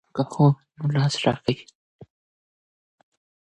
که هو نو لاس راکړئ.